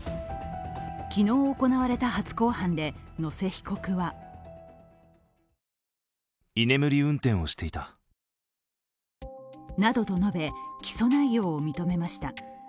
昨日、行われた初公判で野瀬被告はなどと述べ、起訴内容を認めました。